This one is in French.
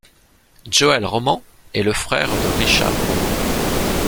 Joël Roman est le frère de Richard Roman.